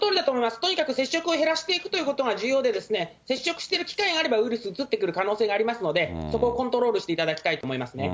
とにかく接触を減らしていくということが重要で、接触している機会があれば、ウイルスうつってくる可能性がありますので、そこをコントロールしていただきたいと思いますね。